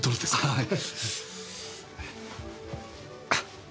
はい？